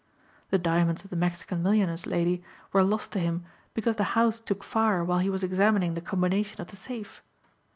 The diamonds of the Mexican millionaire's lady were lost to him because the house took fire while he was examining the combination of the safe.